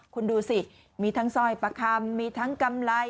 คุณดูสิมีทั้งสร้อยประคำมีทั้งกำไร